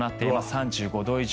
３５度以上。